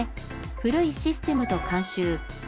「古いシステムと慣習」。